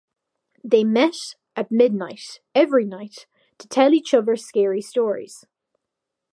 They meet at midnight every night to tell each other scary stories.